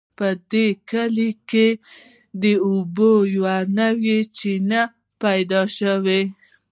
په دې کلي کې د اوبو یوه نوې چینه پیدا شوې